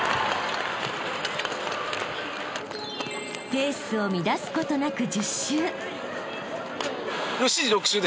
［ペースを乱すことなく］